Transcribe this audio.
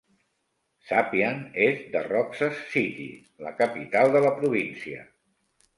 Sapian és de Roxas City, la capital de la província.